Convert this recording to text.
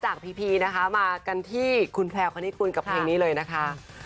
พีพีนะคะมากันที่คุณแพลวคณิกุลกับเพลงนี้เลยนะคะ